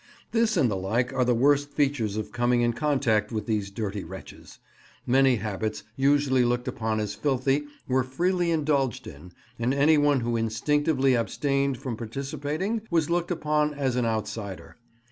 This and the like are the worst features of coming in contact with these dirty wretches. Many habits usually looked upon as filthy were freely indulged in, and anyone who instinctively abstained from participating was looked upon as an outsider.